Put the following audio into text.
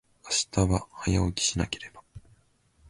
明日は、早起きしなければ。